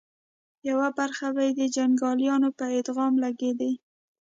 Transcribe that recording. يوه برخه به یې د جنګياليو په ادغام لګېدې